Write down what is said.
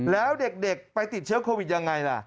แล้วเด็กไปติดเชื้อโควิดยังไงล่ะ